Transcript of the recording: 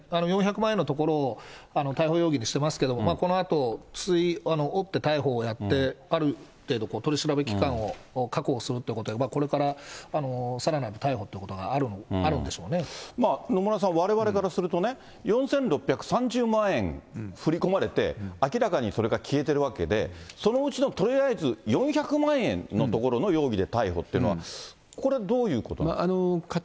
４００万円のところを逮捕容疑でしてますけど、このあと、追って逮捕をやって、ある程度、取り調べ期間を確保するということで、これからさらなる逮捕といまあ野村さん、われわれからするとね、４６３０万円振り込まれて、明らかにそれが消えてるわけで、そのうちのとりあえず、４００万円のところの容疑で逮捕というのは、これ、どういうことなんですか。